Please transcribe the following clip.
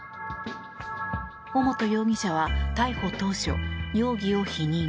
尾本容疑者は逮捕当初、容疑を否認。